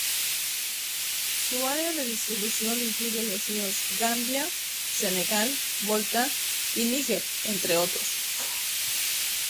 Su área de distribución incluye los ríos Gambia, Senegal, Volta y Níger, entre otros.